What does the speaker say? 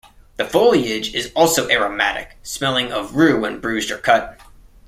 The foliage is also aromatic, smelling of rue when bruised or cut.